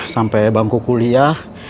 sampai bangku kuliah